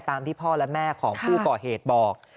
ที่พ่อและแม่ของผู้ก่อเหตุบอก